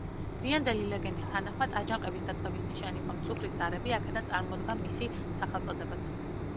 გვიანდელი ლეგენდის თანახმად, აჯანყების დაწყების ნიშანი იყო მწუხრის ზარები, აქედან წარმოდგა მისი სახელწოდებაც.